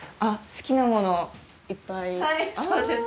好きなものいっぱいはいそうです